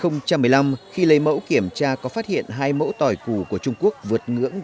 năm hai nghìn một mươi năm khi lấy mẫu kiểm tra có phát hiện hai mẫu tỏi củ của trung quốc vượt ngưỡng